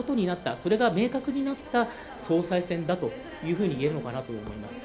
それが明確になった総裁選だといえるのかなと思います。